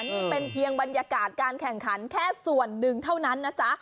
นี่เป็นเพียงบรรยากาศการแข่งขันแค่ส่วนหนึ่งเท่านั้นนะจ๊ะ